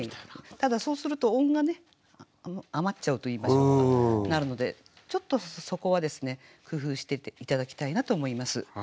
ただそうすると音がね余っちゃうといいましょうかなるのでちょっとそこは工夫して頂きたいなと思います。